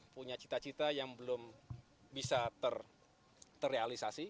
punya cita cita yang belum bisa terrealisasi